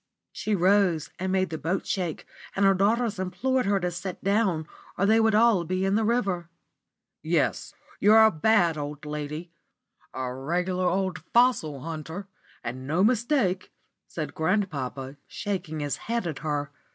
She rose and made the boat shake, and her daughters implored her to sit down, or they would all be in the river. "Yes, you're a bad old lady a regular old fossil hunter, and no mistake," said grandpapa, shaking his head at her.